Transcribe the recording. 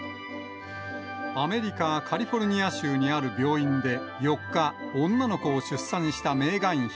アメリカ・カリフォルニア州にある病院で４日、女の子を出産したメーガン妃。